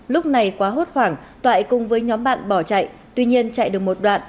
lúc này quá hốt hoảng toại cùng với nhóm bạn bỏ chạy tuy nhiên chạy được một đoạn